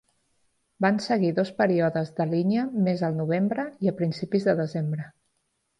Van seguir dos períodes de línia més al novembre i a principis de desembre.